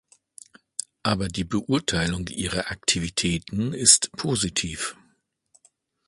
Aber die Beurteilung ihrer Aktivitäten ist positiv.